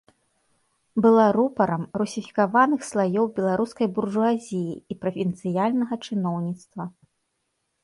Была рупарам русіфікаваных слаёў беларускай буржуазіі і правінцыяльнага чыноўніцтва.